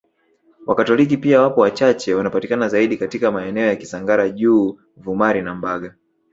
Wakatoliki pia wapo wachache wanapatikana zaidi katika maeneo ya Kisangara juu Vumari na Mbaga